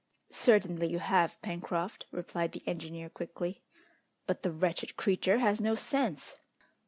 "Certainly you have, Pencroft," replied the engineer quickly. "But the wretched creature has no sense!"